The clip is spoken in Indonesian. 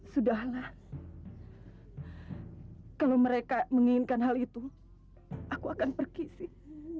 sudahlah kalau mereka menginginkan hal itu aku akan pergi sih